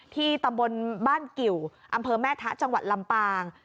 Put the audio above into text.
ตำบลบ้านกิวอำเภอแม่ทะจังหวัดลำปาง